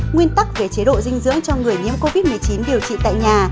nguyên tắc về chế độ dinh dưỡng cho người nhiễm covid một mươi chín điều trị tại nhà